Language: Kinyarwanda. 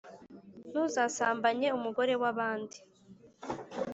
Ntuzasambanye umugore wabandi